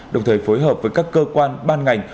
đồng thời phối hợp với các cơ quan ban ngành